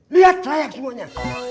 lihat layak semuanya